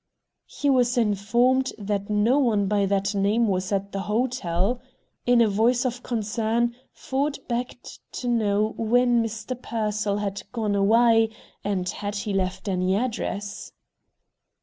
He was informed that no one by that name was at the hotel. In a voice of concern Ford begged to know when Mr. Pearsall had gone away, and had he left any address.